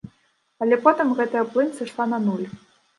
Але потым гэтая плынь сышла на нуль.